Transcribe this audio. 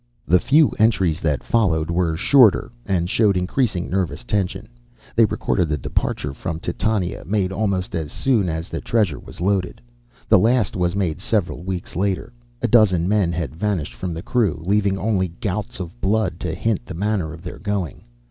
The few entries that followed were shorter, and showed increasing nervous tension. They recorded the departure from Titania, made almost as soon as the treasure was loaded. The last was made several weeks later. A dozen men had vanished from the crew, leaving only gouts of blood to hint the manner of their going.